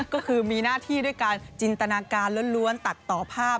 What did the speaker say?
ก็คือมีหน้าที่ด้วยการจินตนาการล้วนตัดต่อภาพ